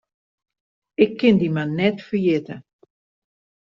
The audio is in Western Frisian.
Ik kin dy mar net ferjitte.